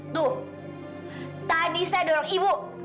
tuh tadi saya dorong ibu